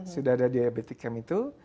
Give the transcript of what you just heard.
sudah ada diabetik camp itu